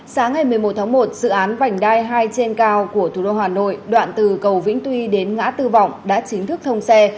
sáng ngày một mươi một tháng một dự án vành đai hai trên cao của thủ đô hà nội đoạn từ cầu vĩnh tuy đến ngã tư vọng đã chính thức thông xe